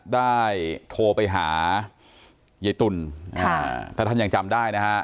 ได้โทรไปหายายตุ๋นถ้าท่านยังจำได้นะฮะ